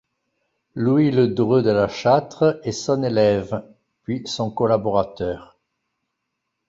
Louis Le Dreux de la Châtre est son élève, puis son collaborateur.